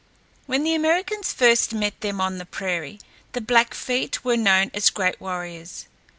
When the Americans first met them on the prairie, the Blackfeet were known as great warriors.